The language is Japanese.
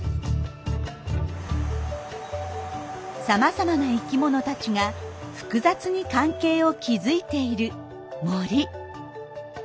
さまざまな生きものたちが複雑に関係を築いている森。